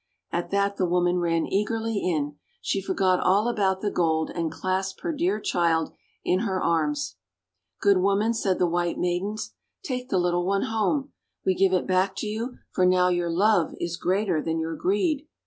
' At that the woman ran eagerly in. She forgot all about the gold, and clasped her dear child in her arms. "Good WToman," said the White Maidens, "take the little one home. WTe give it back to you, for now your love is greater than your greed."